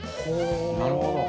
なるほど！